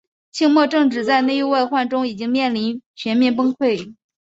清末政治在内忧外患中已经面临全面崩溃。